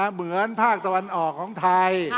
เหมือนภาคตะวันออกของไทย